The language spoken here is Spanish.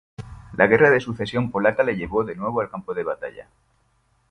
La Guerra de Sucesión polaca le llevó de nuevo al campo de batalla.